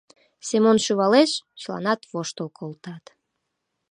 Семон шӱвалеш, чыланат воштыл колтат.